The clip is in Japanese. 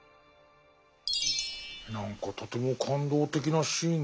何かとても感動的なシーンだな。